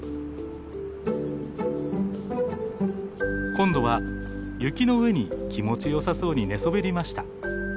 今度は雪の上に気持ちよさそうに寝そべりました。